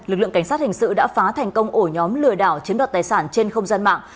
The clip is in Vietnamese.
lực lượng cảnh sát hình sự đã phá thành công ổ nhóm lừa đảo chiếm đoạt tài sản trên không gian mạng